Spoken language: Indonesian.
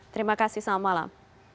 terima kasih selamat malam